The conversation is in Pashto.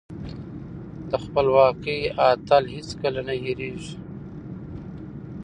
د خپلواکۍ اتل هېڅکله نه هيريږي.